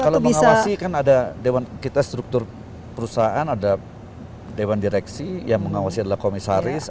kalau mengawasi kan ada dewan kita struktur perusahaan ada dewan direksi yang mengawasi adalah komisaris